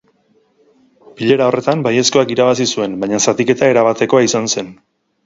Bilera horretan baiezkoak irabazi zuen, baina zatiketa erabatekoa izan zen.